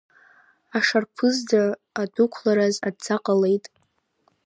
Ашарԥызӡа адәықәлараз адҵа ҟалеит.